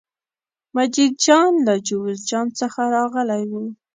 مجید جان له جوزجان څخه راغلی و.